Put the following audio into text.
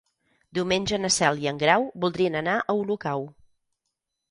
Diumenge na Cel i en Grau voldrien anar a Olocau.